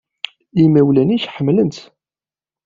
Imawlan-nnek ḥemmlen-tt.